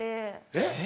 えっ？